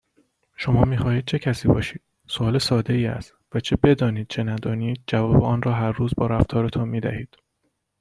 شما میخواهید چه کسی باشید؟ سوال سادهای است، و چه بدانید چه ندانید، جواب آن را هر روز با رفتارتان میدهید